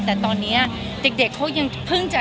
แต่ตอนนี้เด็กเขายังเพิ่งจะ